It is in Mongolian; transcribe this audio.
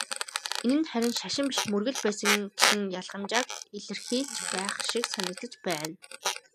Энэ нь харин "шашин" биш "мөргөл" байсан гэсэн ялгамжааг илэрхийлж байх шиг санагдаж байна.